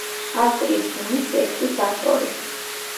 ავსტრიის ჰიმნის ტექსტის ავტორი.